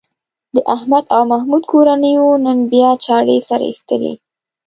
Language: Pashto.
د احمد او محمود کورنیو نن بیا چاړې سره ایستلې.